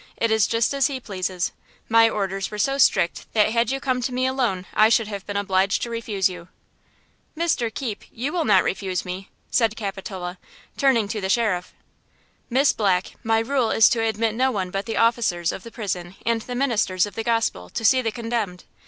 It is just as he pleases. My orders were so strict that had you come to me alone I should have been obliged to refuse you." "Mr. Keepe, you will not refuse me," said Capitola, turning to the sheriff. "Miss Black, my rule is to admit no one but the officers of the prison and the ministers of the gospel, to see the condemned!